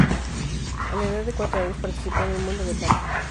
A la edad de cuatro años, participó en "El mundo de Patty.